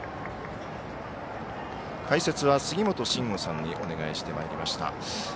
解説は杉本真吾さんにお願いしてまいりました。